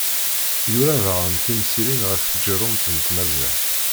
Yura daɣen timsirin ɣef tjerrumt n tmaziɣt.